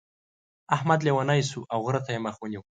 احمد لېونی شو او غره ته يې مخ ونيو.